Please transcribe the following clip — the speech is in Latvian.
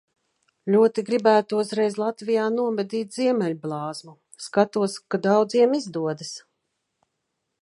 Ļoti gribētos reiz Latvijā nomedīt ziemeļblāzmu. Skatos, ka daudziem izdodas.